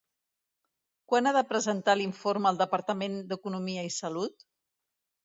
Quan ha de presentar l'informe el departament d'Economia i Salut?